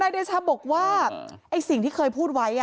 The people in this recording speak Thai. เดชาบอกว่าไอ้สิ่งที่เคยพูดไว้